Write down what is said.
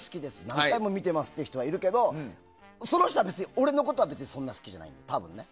何回も見てますって人はいるけどその人は別に俺のことはそんなに好きじゃない、多分ね。